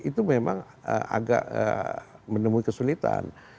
itu memang agak menemui kesulitan